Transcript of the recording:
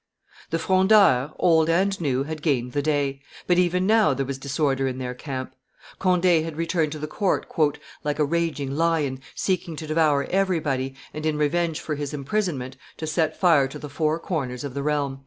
The Frondeurs, old and new, had gained the day; but even now there was disorder in their camp. Conde had returned to the court "like a raging lion, seeking to devour everybody, and, in revenge for his imprisonment, to set fire to the four corners of the realm."